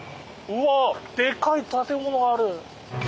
うわでかい建物ある。